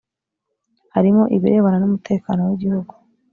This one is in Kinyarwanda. harimo ibirebana n’umutekano w’igihugu